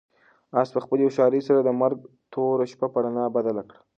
آس په خپلې هوښیارۍ سره د مرګ توره شپه په رڼا بدله کړه.